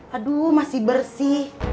aduh masih bersih